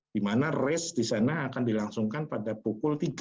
di mana race di sana akan dilangsungkan pada pukul tiga